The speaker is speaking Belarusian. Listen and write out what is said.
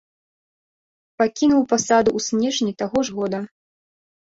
Пакінуў пасаду ў снежні таго ж года.